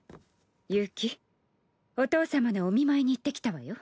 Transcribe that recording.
悠希お父様のお見舞いに行ってきたわよ。